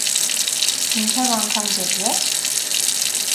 - Մինչև անգամ և ե՞ս…